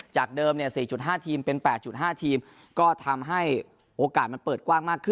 จากเดิมเนี่ยสี่จุดห้าทีมเป็นแปดจุดห้าทีมก็ทำให้โอกาสมันเปิดกว้างมากขึ้น